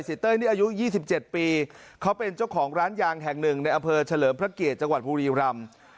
เต้ยนี่อายุ๒๗ปีเขาเป็นเจ้าของร้านยางแห่งหนึ่งในอำเภอเฉลิมพระเกียรติจังหวัดบุรีรำ